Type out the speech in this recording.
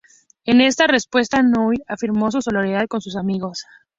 En respuesta, Noir afirmó su solidaridad con sus amigos.